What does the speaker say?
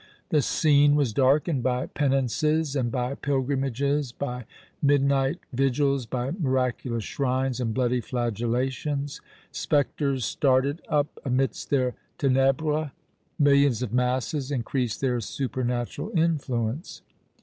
The scene was darkened by penances and by pilgrimages, by midnight vigils, by miraculous shrines, and bloody flagellations; spectres started up amidst their ténèbres; millions of masses increased their supernatural influence.